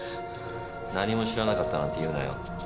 何も知らなかったなんて言うなよ。